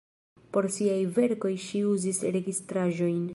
Por siaj verkoj ŝi uzis registraĵojn.